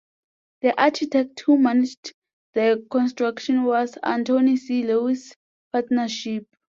The architect who managed the construction was Anthony C. Lewis Partnership.